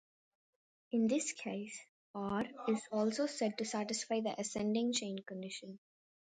In this case "R" is also said to satisfy the ascending chain condition.